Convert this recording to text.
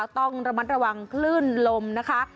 ต้องระมัดระวังคลื่นลมนะคะ